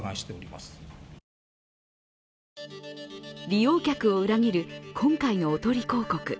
利用客を裏切る、今回のおとり広告。